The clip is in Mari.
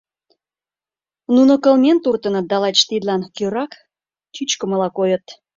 Нуно кылмен туртыныт да лач тидлан кӧрак чӱчкымыла койыт.